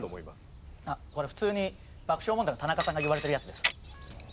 これ普通に爆笑問題の田中さんが言われてるやつです。